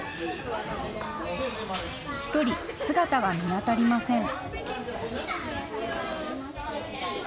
１人、姿が見当たりません。